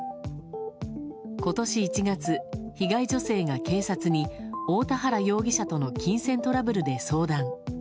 今年１月、被害女性が警察に大田原容疑者との金銭トラブルで相談。